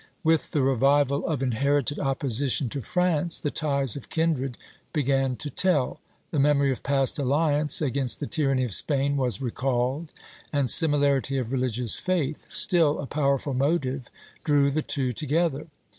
With the revival of inherited opposition to France the ties of kindred began to tell; the memory of past alliance against the tyranny of Spain was recalled; and similarity of religious faith, still a powerful motive, drew the two together.